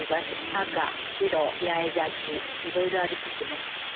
赤白八重咲き色々ありますね